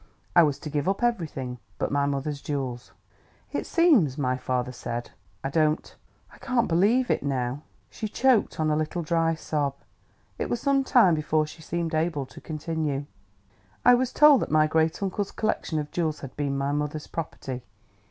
I was to give up everything but my mother's jewels. It seems, my father said, I don't I can't believe it now " She choked on a little, dry sob. It was some time before she seemed able to continue. "I was told that my great uncle's collection of jewels had been my mother's property.